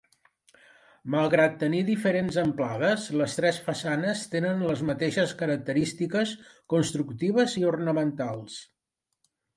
Malgrat tenir diferents amplades, les tres façanes tenen les mateixes característiques constructives i ornamentals.